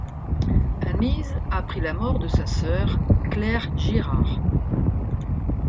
Anise apprit la mort de sa sœur, Claire Girard.